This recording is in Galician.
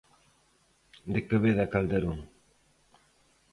De Quevedo a Calderón.